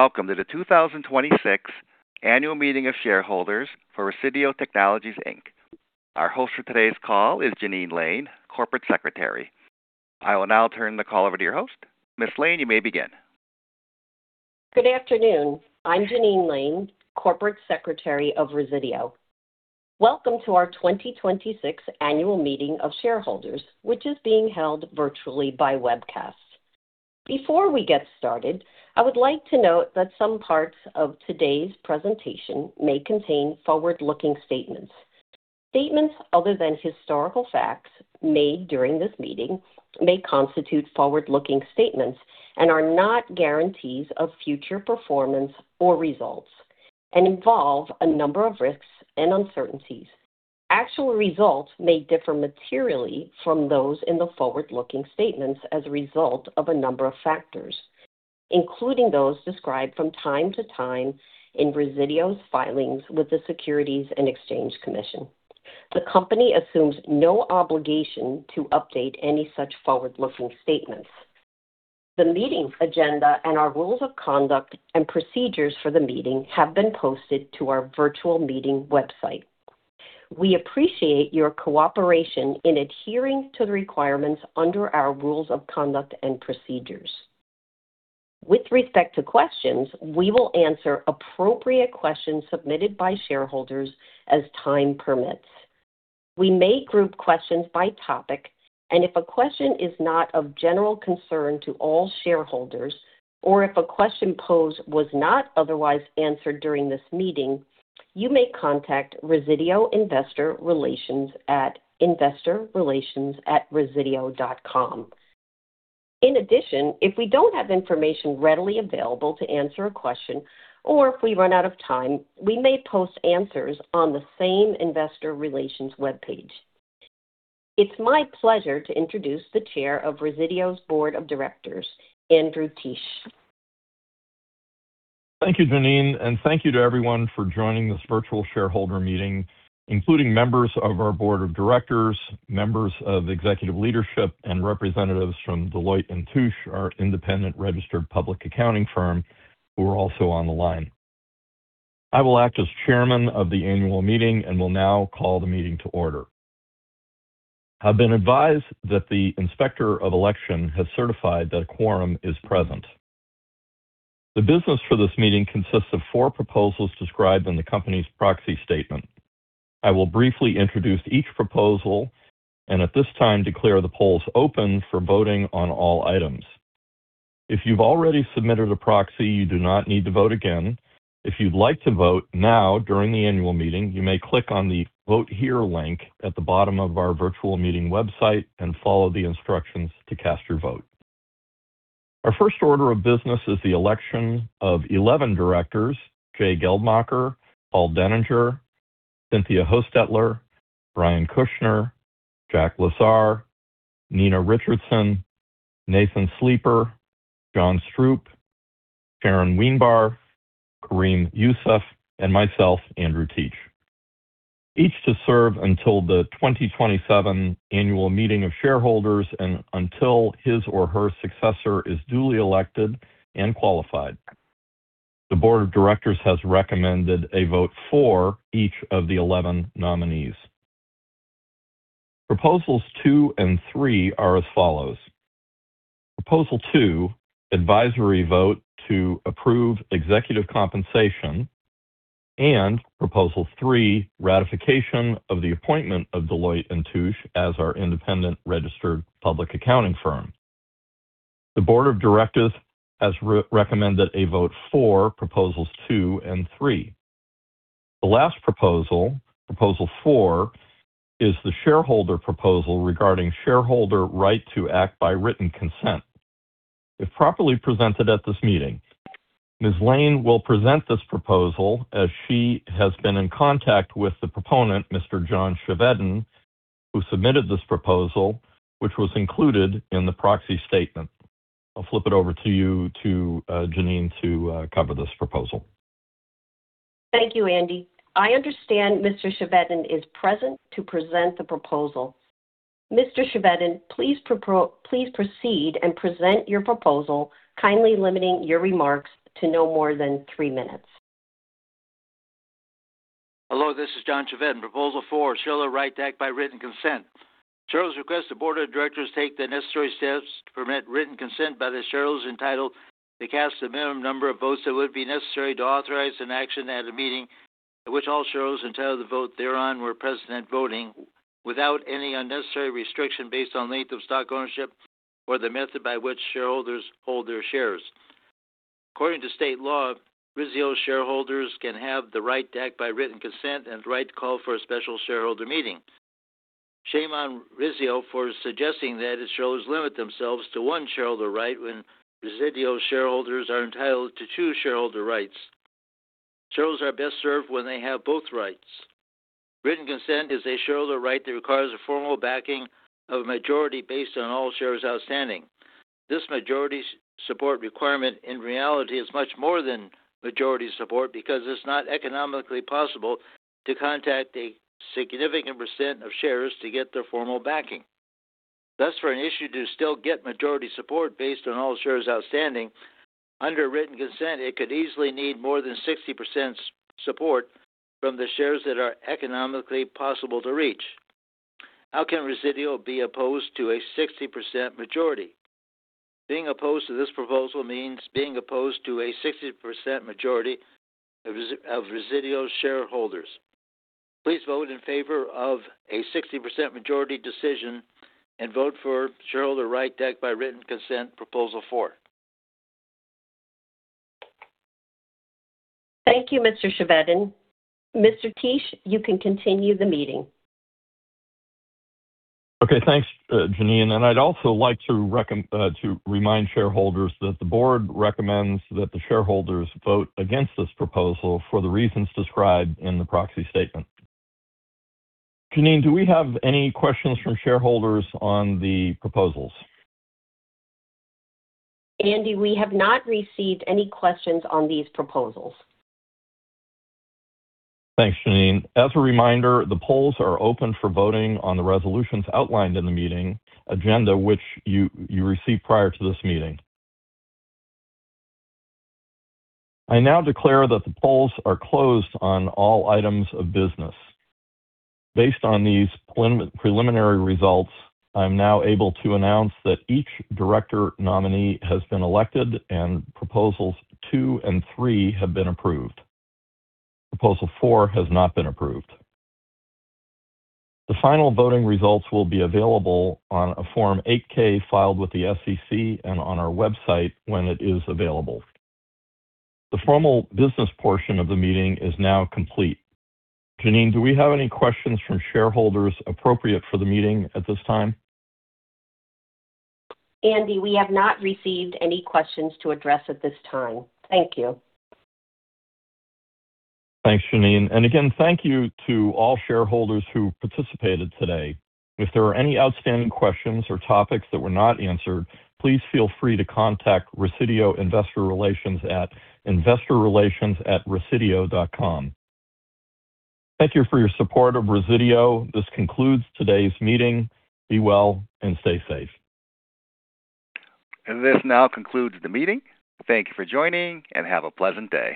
Welcome to the 2026 annual meeting of shareholders for Resideo Technologies, Inc. Our host for today's call is Jeannine Lane, corporate secretary. I will now turn the call over to your host. Ms. Lane, you may begin. Good afternoon. I'm Jeannine Lane, corporate secretary of Resideo. Welcome to our 2026 Annual Meeting of Shareholders, which is being held virtually by webcast. Before we get started, I would like to note that some parts of today's presentation may contain forward-looking statements. Statements other than historical facts made during this meeting may constitute forward-looking statements and are not guarantees of future performance or results and involve a number of risks and uncertainties. Actual results may differ materially from those in the forward-looking statements as a result of a number of factors, including those described from time to time in Resideo's filings with the Securities and Exchange Commission. The company assumes no obligation to update any such forward-looking statements. The meeting agenda and our rules of conduct and procedures for the meeting have been posted to our virtual meeting website. We appreciate your cooperation in adhering to the requirements under our rules of conduct and procedures. With respect to questions, we will answer appropriate questions submitted by shareholders as time permits. We may group questions by topic, and if a question is not of general concern to all shareholders or if a question posed was not otherwise answered during this meeting, you may contact Resideo investor relations at investorrelations@resideo.com. In addition, if we don't have information readily available to answer a question, or if we run out of time, we may post answers on the same investor relations webpage. It's my pleasure to introduce the Chair of Resideo's Board of Directors, Andrew Teich. Thank you, Jeannine, and thank you to everyone for joining this virtual shareholder meeting, including members of our board of directors, members of executive leadership, and representatives from Deloitte & Touche, our independent registered public accounting firm, who are also on the line. I will act as chairman of the annual meeting and will now call the meeting to order. I've been advised that the Inspector of Election has certified that a quorum is present. The business for this meeting consists of four proposals described in the company's proxy statement. I will briefly introduce each proposal and at this time declare the polls open for voting on all items. If you've already submitted a proxy, you do not need to vote again. If you'd like to vote now during the annual meeting, you may click on the Vote Here link at the bottom of our virtual meeting website and follow the instructions to cast your vote. Our first order of business is the election of 11 directors, Jay Geldmacher, Paul Deninger, Cynthia Hostetler, Brian Kushner, Jack Lazar, Nina Richardson, Nathan Sleeper, John Stroup, Sharon Wienbar, Kareem Yusuf, and myself, Andrew Teich, each to serve until the 2027 annual meeting of shareholders and until his or her successor is duly elected and qualified. The board of directors has recommended a vote for each of the 11 nominees. Proposal Two and Three are as follows. Proposal Two, advisory vote to approve executive compensation, and Proposal Three, ratification of the appointment of Deloitte & Touche as our independent registered public accounting firm. The board of directors has recommended a vote for Proposal Two and Three. The last Proposal Four, is the shareholder proposal regarding shareholder right to act by written consent. If properly presented at this meeting, Ms. Lane will present this proposal as she has been in contact with the proponent, Mr. John Chevedden, who submitted this proposal, which was included in the proxy statement. I'll flip it over to you to Jeannine to cover this proposal. Thank you, Andrew. I understand Mr. Chevedden is present to present the proposal. Mr. Chevedden, please proceed and present your proposal, kindly limiting your remarks to no more than three minutes. Hello, this is John Chevedden, Proposal Four, shareholder right to act by written consent. Shareholders request the board of directors take the necessary steps to permit written consent by the shareholders entitled to cast the minimum number of votes that would be necessary to authorize an action at a meeting at which all shareholders entitled to vote thereon were present at voting without any unnecessary restriction based on length of stock ownership or the method by which shareholders hold their shares. According to state law, Resideo shareholders can have the right to act by written consent and the right to call for a special shareholder meeting. Shame on Resideo for suggesting that its shareholders limit themselves to one shareholder right when Resideo shareholders are entitled to two shareholder rights. Shareholders are best served when they have both rights. Written consent is a shareholder right that requires a formal backing of a majority based on all shares outstanding. This majority support requirement in reality is much more than majority support because it's not economically possible to contact a significant % of shares to get their formal backing. Thus, for an issue to still get majority support based on all shares outstanding, under written consent, it could easily need more than 60% support from the shares that are economically possible to reach. How can Resideo be opposed to a 60% majority? Being opposed to this proposal means being opposed to a 60% majority of Resideo shareholders. Please vote in favor of a 60% majority decision and vote for shareholder right to act by written consent Proposal Four. Thank you, Mr. Chevedden. Mr. Teich, you can continue the meeting. Okay, thanks, Jeannine. I'd also like to remind shareholders that the board recommends that the shareholders vote against this proposal for the reasons described in the proxy statement. Jeannine, do we have any questions from shareholders on the proposals? Andy, we have not received any questions on these proposals. Thanks, Jeannine. As a reminder, the polls are open for voting on the resolutions outlined in the meeting agenda, which you received prior to this meeting. I now declare that the polls are closed on all items of business. Based on these preliminary results, I am now able to announce that each director nominee has been elected and Proposals Two and Three have been approved. Proposal Four has not been approved. The final voting results will be available on a Form 8-K filed with the SEC and on our website when it is available. The formal business portion of the meeting is now complete. Jeannine, do we have any questions from shareholders appropriate for the meeting at this time? Andy, we have not received any questions to address at this time. Thank you. Thanks, Jeannine. Again, thank you to all shareholders who participated today. If there are any outstanding questions or topics that were not answered, please feel free to contact Resideo Investor Relations at investorrelations@resideo.com. Thank you for your support of Resideo. This concludes today's meeting. Be well and stay safe. This now concludes the meeting. Thank you for joining, and have a pleasant day.